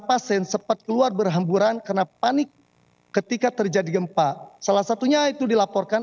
pasien sempat keluar berhamburan karena panik ketika terjadi gempa salah satunya itu dilaporkan